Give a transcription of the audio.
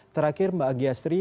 terakhir mbak anggiastri